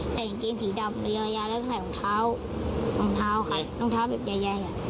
ใส่อังเกงสีดำยาวยาวแล้วก็ใส่องเท้าองเท้าค่ะองเท้าแบบยายยาย